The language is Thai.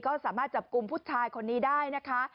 ก็สามารถจับกลุ่มผู้ชายคนนี้ได้นะคะ